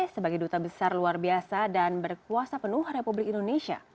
sebagai duta besar luar biasa dan berkuasa penuh republik indonesia